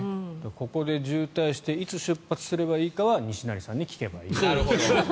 ここで渋滞していつ出発すればいいかは西成さんに聞けばいいと。